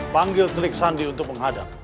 panggil trik sandi untuk menghadap